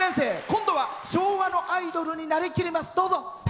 今度は昭和のアイドルになりきります。